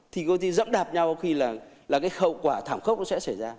thì có gì dẫm đạp nhau khi là cái khẩu quả thảm khốc nó sẽ xảy ra